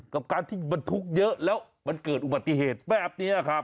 กับการที่บรรทุกเยอะแล้วมันเกิดอุบัติเหตุแบบนี้ครับ